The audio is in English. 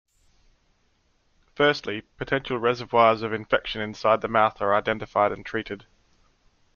Firstly, potential reservoirs of infection inside the mouth are identified and treated.